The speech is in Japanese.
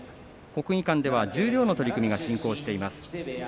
国技館では十両の取組が進行しています。